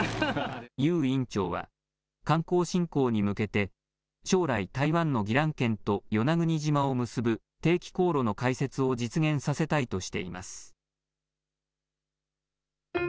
游院長は観光振興に向けて、将来、台湾の宜蘭県と与那国島を結ぶ定期航路の開設を実現させたいとしています。